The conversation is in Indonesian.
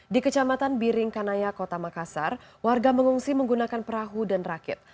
di kecamatan biring kanaya kota makassar warga mengungsi menggunakan perahu dan rakit